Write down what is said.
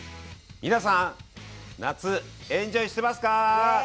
皆さん夏エンジョイしてますか？